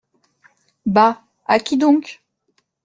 Bah ! à qui donc ?